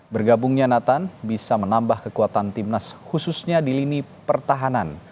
bergabungnya nathan bisa menambah kekuatan timnas khususnya di lini pertahanan